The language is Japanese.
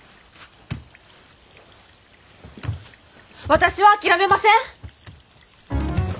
私は諦めません！